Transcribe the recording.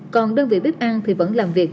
còn đơn vị bếp ăn thì vẫn là một trường đặc biệt